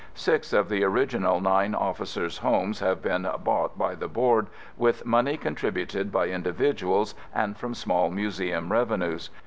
Six of the original nine Officer's homes have been bought by the Board with money contributed by individuals and from small Museum revenues.